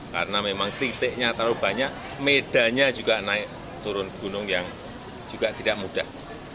karena memang titiknya terlalu banyak medanya juga naik turun gunung yang juga tidak mudah